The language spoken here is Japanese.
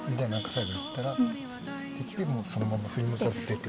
最後言ったらうんって言ってそのまま振り向かず出て行く。